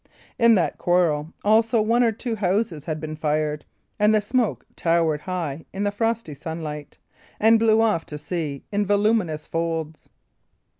In that quarter, also, one or two houses had been fired, and the smoke towered high in the frosty sunlight, and blew off to sea in voluminous folds.